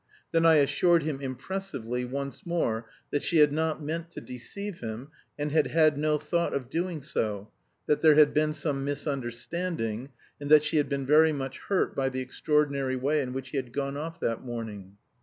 Then I assured him impressively once more that she had not meant to deceive him, and had had no thought of doing so; that there had been some misunderstanding, and that she had been very much hurt by the extraordinary way in which he had gone off that morning.